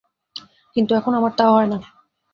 কিন্তু এখন আমার তা হয় না।